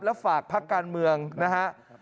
แล้วฝากพักการเมืองนะฮะ